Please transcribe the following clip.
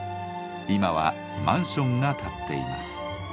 今はマンションが立っています。